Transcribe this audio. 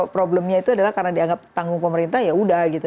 problemnya itu adalah karena dianggap tanggung pemerintah ya udah gitu